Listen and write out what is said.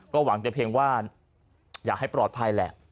หวังแต่เพียงว่าอยากให้ปลอดภัยแหละ